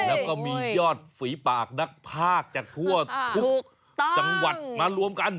แล้วก็มียอดฝีปากนักภาคจากทั่วทุกจังหวัดมารวมกัน